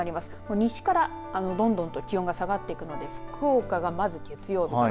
西から、どんどんと気温が下がっていくので福岡がまず月曜日から。